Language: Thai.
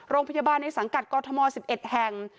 โรงพยาบาลในสังกัดกรทม๑๑แห่ง